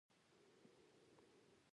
ته به وایې چې ډېر وخت به دننه پاتې شوی یم.